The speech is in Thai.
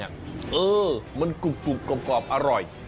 ใช่มันกรุกกรอบอร่อย